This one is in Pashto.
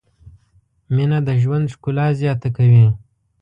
مینه د ژوند ښکلا زیاته کوي.